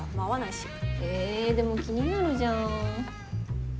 えでも気になるじゃん。